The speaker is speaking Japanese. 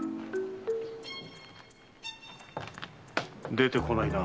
出てこないな。